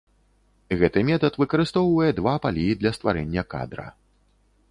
Гэты метад выкарыстоўвае два палі для стварэння кадра.